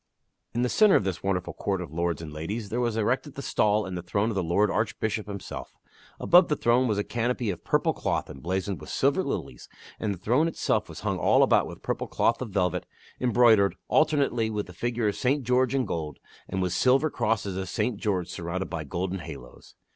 In the centre of this wonderful court of lords and ladies there was erected the stall and the throne of the lord Archbishop himself. Above the throne was a canopy of purple cloth emblazoned with silver lilies, and the throne itself was hung all about with purple cloth of velvet, embroid ered, alternately, with the figure of St. George in gold, and with silver crosses of St. George surrounded by golden halos.